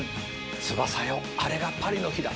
「翼よ、あれがパリの灯だ」